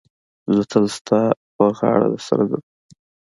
زه تل ستا پر غاړه در سره ځم.